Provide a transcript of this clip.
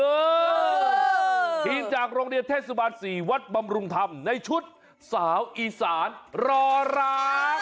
ทีมจากโรงเรียนเทศบาล๔วัดบำรุงธรรมในชุดสาวอีสานรอรัก